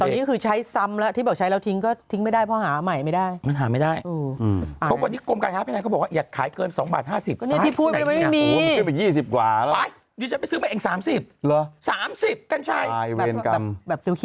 ไม่มีหรอก๑๕๐ที่ไหนค่ะจะไม่ไปซื้อ